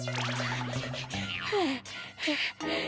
はあはあ。